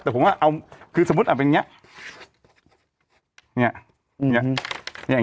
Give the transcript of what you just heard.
แต่ผมว่าเอาคือสมมุติเป็นอย่างนี้